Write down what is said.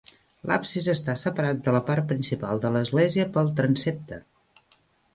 L'absis està separat de la part principal de l'església pel transsepte.